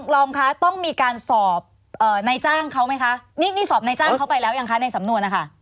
รองคะต้องมีการสอบในจ้างเขาไหมคะนี่สอบในจ้างเขาไปแล้วยังคะในสำนวนนะคะ